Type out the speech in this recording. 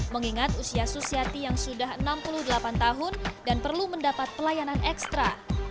mengingat usia susiati yang sudah enam puluh delapan tahun dan perlu mendapat pelayanan ekstra